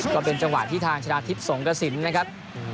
ก็เป็นจังหวะที่ทางชนะทิพย์สงกระสินนะครับ